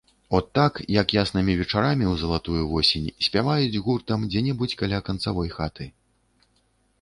От так, як яснымі вечарамі ў залатую восень спяваюць гуртам дзе-небудзь каля канцавой хаты.